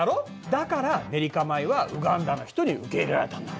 だからネリカ米はウガンダの人に受け入れられたんだ。